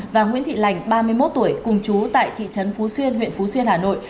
và nguyễn thị lành ba mươi một tuổi cùng chú tại thị trấn phú xuyên huyện phú xuyên hà nội